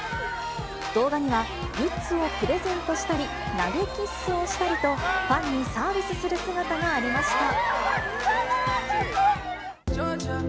動画には、グッズをプレゼントしたり、投げキッスをしたりと、ファンにサービスする姿がありました。